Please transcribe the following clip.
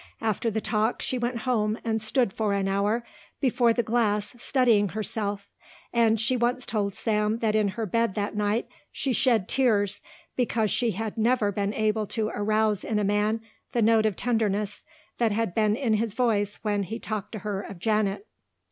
After the talk she went home and stood for an hour before the glass studying herself and she once told Sam that in her bed that night she shed tears because she had never been able to arouse in a man the note of tenderness that had been in his voice when he talked to her of Janet.